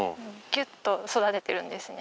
ギュッと育ててるんですね。